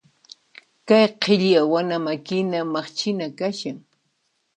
Kay qhilli awana makina maqchina kashan.